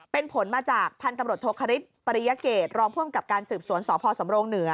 เป็นผลมาจากพันกำรดโทคริสต์ปริยเกตรรองเพิ่มกับการสืบสวนสพสำรงเหนือ